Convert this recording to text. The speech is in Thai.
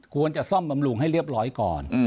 ควรจะซ่อมบำรุงให้เรียบร้อยก่อน